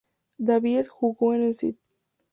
Davies jugó en el St.